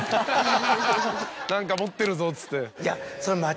何か持ってるぞっつって。